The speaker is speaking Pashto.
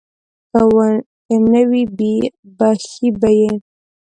که نه وي بښي به یې.